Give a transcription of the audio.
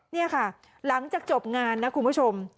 นี่ค่ะหลังจากจบงานนะคุณผู้ชม